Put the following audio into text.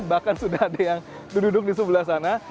bahkan sudah ada yang duduk di sebelah sana